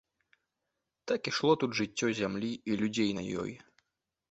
Так ішло тут жыццё зямлі і людзей на ёй.